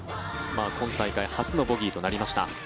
今大会初のボギーとなりました。